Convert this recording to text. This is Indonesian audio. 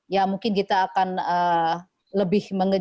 ya mungkin kita akan lebih mengenal